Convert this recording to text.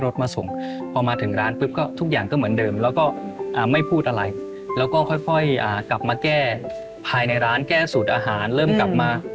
ทีนี้ใช้หนี้หมดปั๊บ